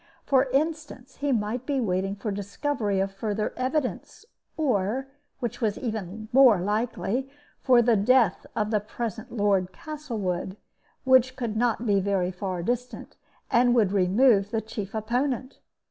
For instance, he might be waiting for discovery of further evidence; or (which was even more likely) for the death of the present Lord Castlewood, which could not be very far distant, and would remove the chief opponent.